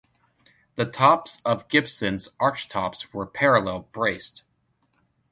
The tops of Gibson's archtops were parallel braced.